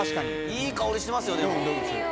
いい香りしてますよでも。